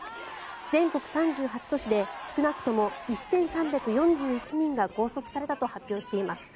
全国３８都市で少なくとも１３４１人が拘束されたと発表しています。